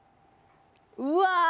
うわ！